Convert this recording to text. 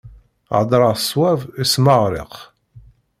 Heddṛeɣ ṣṣwab, ismeɛṛiq.